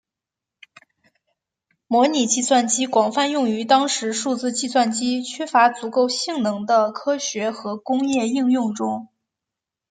模拟计算机广泛用于当时数字计算机缺乏足够性能的科学和工业应用中。